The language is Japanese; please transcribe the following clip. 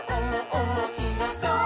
おもしろそう！」